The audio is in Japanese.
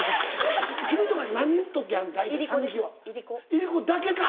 いりこだけか？